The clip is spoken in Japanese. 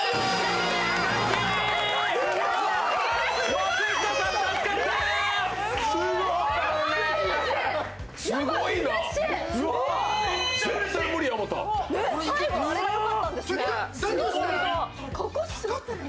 松下さん、助かった！